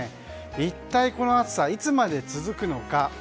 一体、この暑さはいつまで続くのか。